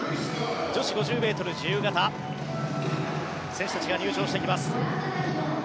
女子５０ｍ自由形選手たちが入場してきます。